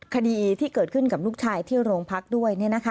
คดีที่เกิดขึ้นกับลูกชายที่โรงพักด้วย